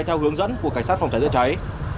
theo hướng dẫn của cảnh sát phòng cháy chữa cháy